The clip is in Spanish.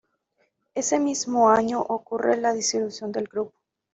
Ese mismo año ocurre la disolución del grupo.